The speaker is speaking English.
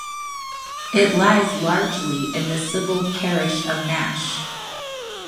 It lies largely in the civil parish of Nash.